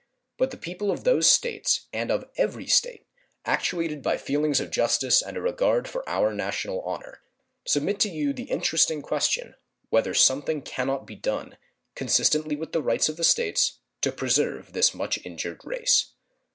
But the people of those States and of every State, actuated by feelings of justice and a regard for our national honor, submit to you the interesting question whether something can not be done, consistently with the rights of the States, to preserve this much injured race.